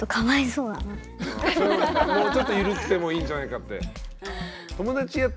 それはもうちょっとゆるくてもいいんじゃないかって。